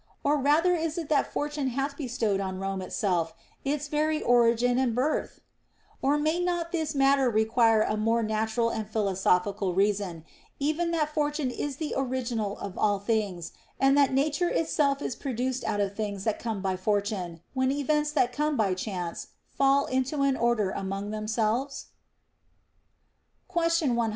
Or rather is it that Fortune hath bestowed on Rome itself its very original and birth 1 Or may not this matter require a more natural and philosophical reason, even that Fortune is the original of all things and that Nature itself is produced out of things that come by For tune, when events that come by chance fall into an order among themselves \ Question 107.